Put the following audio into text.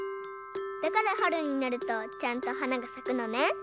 だからはるになるとちゃんとはながさくのね。